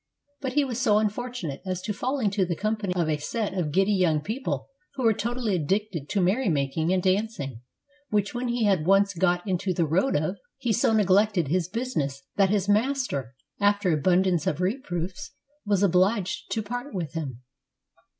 But he was so unfortunate as to fall into the company of a set of giddy young people who were totally addicted to merry making and dancing, which when he had once got into the road of, he so neglected his business that his master, after abundance of reproofs, was obliged to part with him.